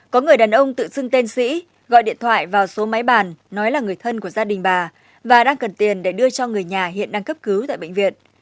có người đàn ông tự xưng tên sĩ gọi điện thoại vào số máy bàn nói là người thân của gia đình bà và đang cần tiền để đưa cho người nhà hiện đang cấp cứu tại bệnh viện